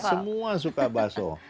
semua suka baso